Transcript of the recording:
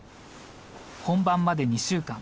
本番まで２週間。